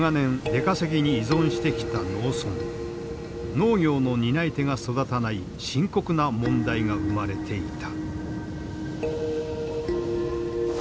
農業の担い手が育たない深刻な問題が生まれていた。